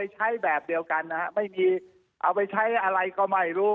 ใช้แบบเดียวกันนะฮะไม่มีเอาไปใช้อะไรก็ไม่รู้